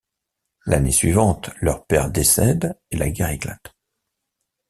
L'année suivante, leur père décède et la guerre éclate.